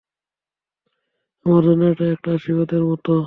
আমার জন্য এটা একটা আশীর্বাদের মতো।